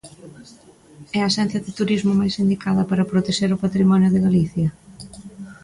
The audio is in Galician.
¿É a Axencia de Turismo a máis indicada para protexer o patrimonio de Galicia?